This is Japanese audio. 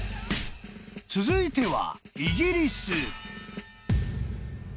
［続いては］